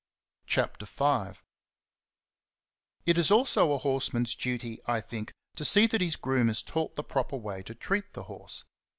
^^ CHAPTER V. TT is also a horseman's duty, I think, to * see that his groom is taught the proper way to treat the horse.